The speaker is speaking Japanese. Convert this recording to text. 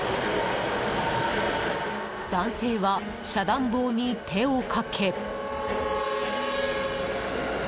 男性は遮断棒に手をかけ。